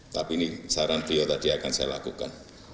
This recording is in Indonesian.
tapi ini saran beliau tadi akan saya lakukan